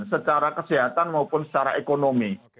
secara kesehatan maupun secara ekonomi